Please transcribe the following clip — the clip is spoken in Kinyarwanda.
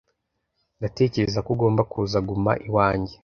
Ndatekereza ko ugomba kuza guma iwanjye.